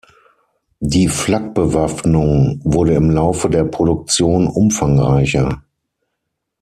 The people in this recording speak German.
Die Flakbewaffnung wurde im Laufe der Produktion umfangreicher.